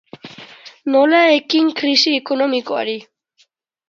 Nola ekin krisi ekonomikoari?